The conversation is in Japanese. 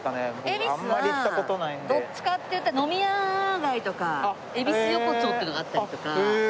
恵比寿はどっちかというと飲み屋街とか恵比寿横丁っていうのがあったりとか。